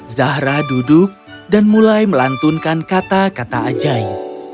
zahra duduk dan mulai melantunkan kata kata ajai